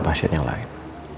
pasien yang lain